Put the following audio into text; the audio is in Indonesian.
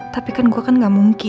tapi kan gue kan gak mungkin